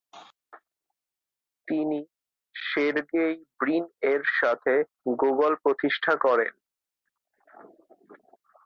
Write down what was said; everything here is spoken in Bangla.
তিনি সের্গেই ব্রিন এর সাথে গুগল প্রতিষ্ঠা করেন।